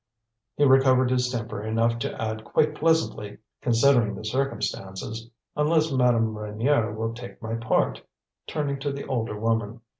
He recovered his temper enough to add, quite pleasantly, considering the circumstances, "Unless Madame Reynier will take my part?" turning to the older woman.